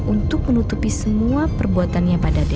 untuk menutupi semua perbuatannya pada d